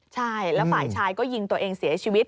ใช่แล้วฝ่ายชายก็ยิงตัวเองเสียชีวิต